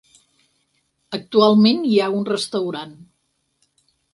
Actualment, hi ha un restaurant.